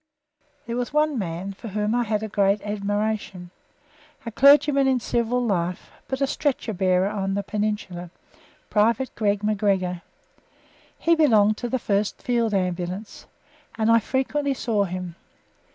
There was one man for whom I had a great admiration a clergyman in civil life but a stretcher bearer on the Peninsula Private Greig McGregor. He belonged to the 1st Field Ambulance, and I frequently saw him.